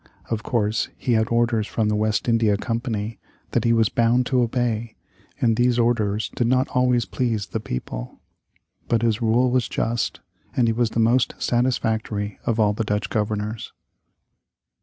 Of course he had orders from the West India Company that he was bound to obey, and these orders did not always please the people. But his rule was just, and he was the most satisfactory of all the Dutch governors.